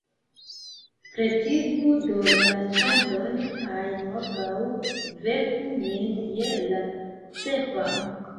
Pretigu do la ĉambron kaj morgaŭ veku min je la sepa.